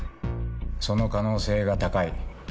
その可能性が高い。